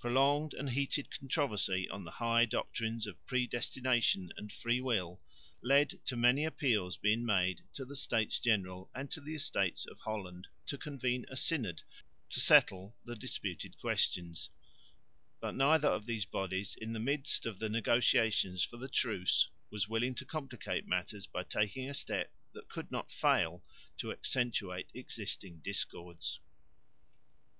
Prolonged and heated controversy on the high doctrines of Predestination and Freewill led to many appeals being made to the States General and to the Estates of Holland to convene a Synod to settle the disputed questions, but neither of these bodies in the midst of the negotiations for the truce was willing to complicate matters by taking a step that could not fail to accentuate existing discords.